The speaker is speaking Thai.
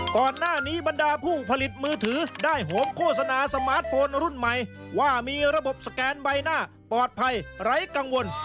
ก่อนหน้านี้บรรดาผู้ผลิตมือถือได้โหมโฆษณาสมาร์ทโฟนรุ่นใหม่ว่ามีระบบสแกนใบหน้าปลอดภัยไร้กังวล